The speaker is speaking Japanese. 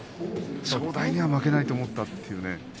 正代には負けないと思ったというね。